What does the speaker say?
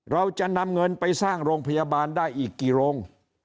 เราจะนำเงินไปสร้างโรงพยาบาลได้อีกกี่โรง